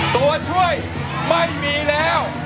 ตัวช่วยไม่มีแล้ว